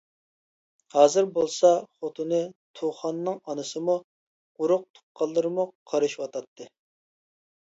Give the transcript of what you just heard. ھازىر بولسا خوتۇنى تۇخاننىڭ ئانىسىمۇ، ئۇرۇق-تۇغقانلىرىمۇ قارىشىۋاتاتتى.